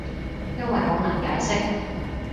因為好難解釋